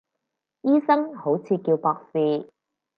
醫生好似叫博士